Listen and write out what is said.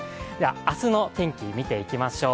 明日の天気、見ていきましょう。